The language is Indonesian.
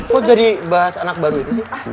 kok jadi bahas anak baru itu sih